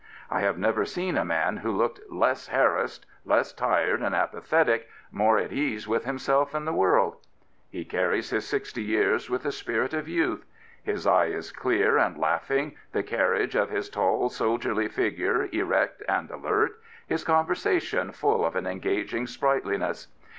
'* I have never seen a man who looked less harassed, less tired and apathetic, more at ease with himself and the world. He carries his sixty years with the spirit of youth. His eye is clear and laughing, the carriage of his tall, soldierly figure erect and alert, his conversation full of an engaging sprightliness.